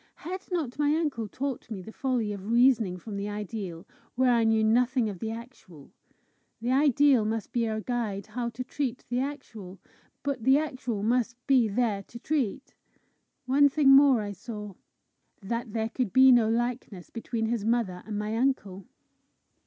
Had not my uncle taught me the folly of reasoning from the ideal where I knew nothing of the actual! The ideal must be our guide how to treat the actual, but the actual must be there to treat! One thing more I saw that there could be no likeness between his mother and my uncle!